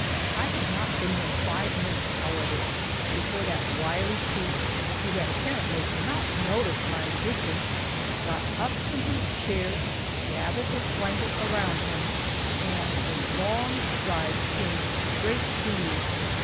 I had not been there five minutes, however, before that wily chief, who had apparently not noticed my existence, got up from his chair, gathered his blanket around him, and with long strides came straight to me.